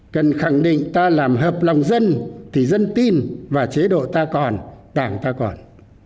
cần khẳng định ta làm hợp lòng dân thì dân tin và chế độ ta còn đảng ta còn